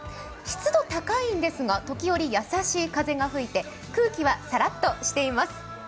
湿度高いんですが、時折、優しい風が吹いて空気はさらっとしています。